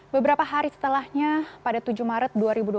beberapa hari setelahnya pada tujuh maret dua ribu dua puluh